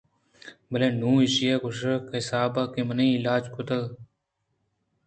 بلے نوں ایشی ءِ گوٛشگ ءِ حساب ءَ کہ منی علاج ئے کُتگ